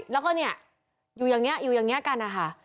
แล้วก็เนี่ยอยู่อย่างนี้กันนะคะ